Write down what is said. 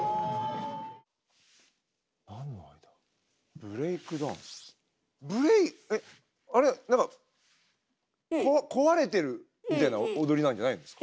ブレイクえっあれ何か「壊れてる」みたいな踊りなんじゃないんですか？